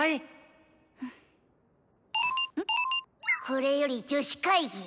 「これより女子会議」。